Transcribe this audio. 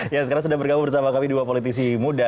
ya sekarang sudah bergabung bersama kami dua politisi muda